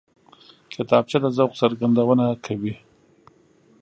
کتابچه د ذوق څرګندونه کوي